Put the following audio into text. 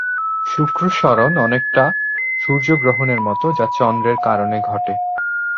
শুক্র সরণ অনেকটা সূর্য গ্রহণের মত যা চন্দ্রের কারণে ঘটে।